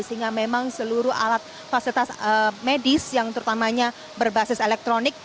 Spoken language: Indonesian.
sehingga memang seluruh alat fasilitas medis yang terutamanya berbasis elektronik